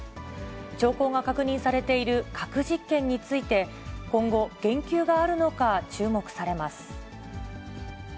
兆候が確認されている核実験について、今後、言及があるのか注目されます。